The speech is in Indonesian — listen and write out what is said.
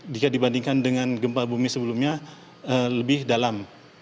jika dibandingkan dengan gempa bumi sebelumnya lebih dalam